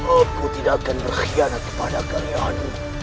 aku tidak akan berkhianat kepada kalian